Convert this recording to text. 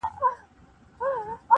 تېر به د ځوانۍ له پسرلیو لکه باد سمه -